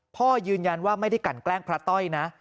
พ่อยืนยันว่าไม่ได้กันแกล้งพระต้อยนะ